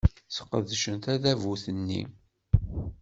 Sqedcen tadabut-nni.